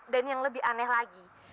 dan yang lebih aneh lagi